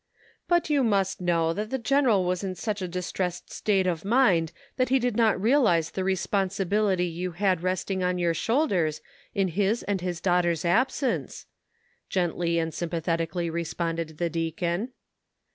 " But you must know that the general was in such a distressed state of mind that he did not realize the respon sibility you had resting on your shoulders in his and his daughter's absence," gently and sympathetically responded the deacon.